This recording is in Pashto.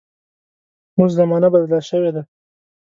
اوس زمانه بدله شوې ده.